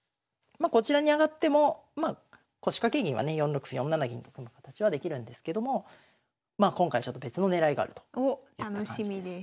まあこちらに上がっても腰掛け銀はね４六歩４七銀と組む形はできるんですけども今回ちょっと別の狙いがあるとおっ楽しみです。